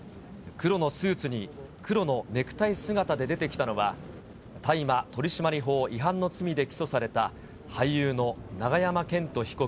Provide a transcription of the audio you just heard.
黒のスーツに黒のネクタイ姿で出てきたのは、大麻取締法違反の罪で起訴された俳優の永山絢斗被告